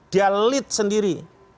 dia lead sendiri